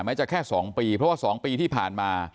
ไม่จากแค่สองปีเพราะว่าสองปีที่ผ่านมา